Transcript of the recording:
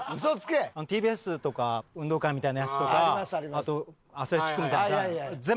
ＴＢＳとか運動会みたいなやつとかあとアスレチックみたいな。